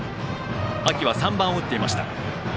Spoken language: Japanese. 秋は３番を打っていました。